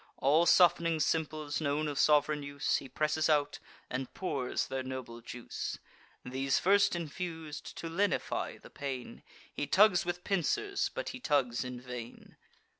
All soft'ning simples, known of sov'reign use, He presses out, and pours their noble juice. These first infus'd, to lenify the pain, He tugs with pincers, but he tugs in vain.